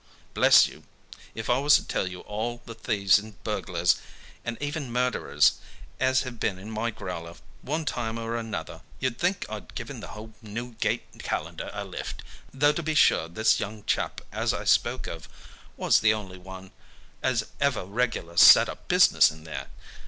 "Bless you, if I was to tell you all the thieves and burglars, and even murderers, as have been in my growler one time or another, you'd think I'd given the whole Newgate Calendar a lift, though to be sure this young chap as I spoke of was the only one as ever reg'lar set up in business there.